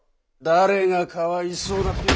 誰がかわいそうだって？